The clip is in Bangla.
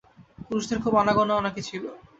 পুরুষদের খুব আনাগোনাও নাকি ছিল।